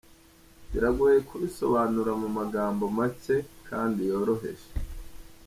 Biragoye kubisobanura mu magambo make kandi yoroheje.